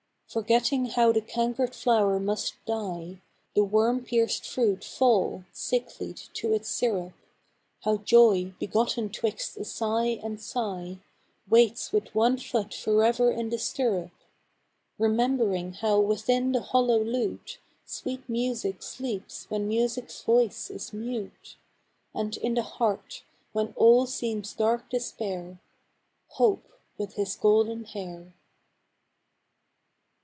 Forgetting how the cankered flower must die; The worm pierced fruit fall, sicklied to its syrup; How joy, begotten 'twixt a sigh and sigh, Waits with one foot forever in the stirrup: Remembering how within the hollow lute Sweet music sleeps when music's voice is mute; And in the heart, when all seems dark despair, Hope with his golden hair.